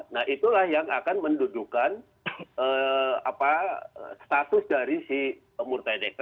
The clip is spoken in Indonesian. nah itulah yang akan mendudukan status dari si mutadeh